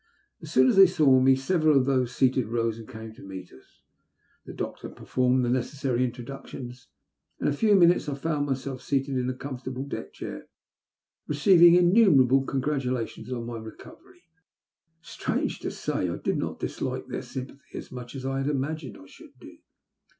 As soon as they saw me several of those seated rose and came to meet us. The doctor performed the necessary introductions, and in a few minutes I found myself seated in a comfortable deck chair recei\'ing innumerable congratulations on ray recovery. Strange to say, I did not dislike their sympathy as much as I had imagined I should do.